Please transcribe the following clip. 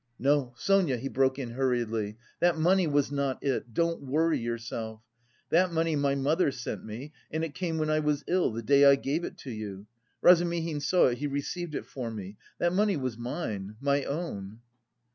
"No, Sonia," he broke in hurriedly, "that money was not it. Don't worry yourself! That money my mother sent me and it came when I was ill, the day I gave it to you.... Razumihin saw it... he received it for me.... That money was mine my own."